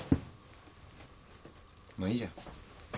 まあいいじゃん。